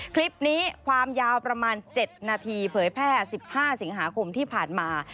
คลิปนี้ความยาวประมาณ๗นาทีเผยแพร่๑๕สิงหาคมที่ผ่านมา